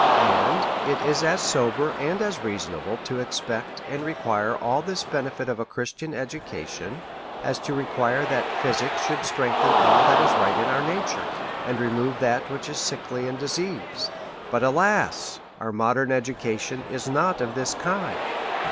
And it is as sober and reasonable to expect and re S34 ▲ SERIOUS CALL TO A quire all this benefit of a Christian education, as to re quire that physic should strengthen all that is right in our nature, and remove that which is sickly and dis eased. But, alas ! our modern education is not of this kind.